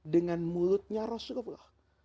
dengan mulutnya rasulullah